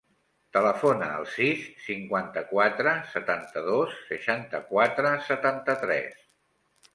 Telefona al sis, cinquanta-quatre, setanta-dos, seixanta-quatre, setanta-tres.